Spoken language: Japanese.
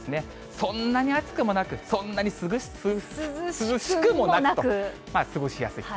そんなに暑くもなく、そんなに涼しくもなくと、過ごしやすい。